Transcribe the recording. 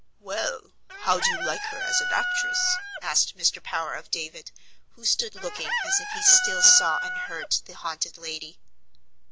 "Well, how do you like her as an actress?" asked Mr. Power of David, who stood looking, as if he still saw and heard the haunted lady.